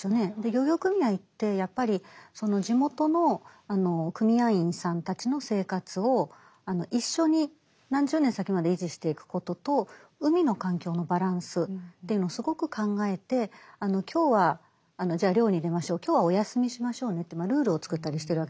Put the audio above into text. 漁業組合ってやっぱりその地元の組合員さんたちの生活を一緒に何十年先まで維持していくことと海の環境のバランスというのをすごく考えて今日はじゃあ漁に出ましょう今日はお休みしましょうねってルールを作ったりしてるわけですね。